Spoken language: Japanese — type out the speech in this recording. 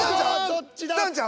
どっちだ？